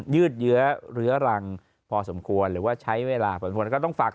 ยืดเยื้อเรื้อรังพอสมควรหรือว่าใช้เวลาผลก็ต้องฝาก